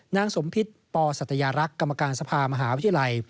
นางสมพิษปสัตยรักษ์กรรมการสภามหาวิทยาลัย